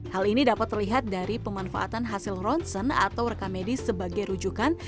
hal ini dapat terlihat dari pemanfaatan hasil ronsen atau rekamedis sebagai rujukan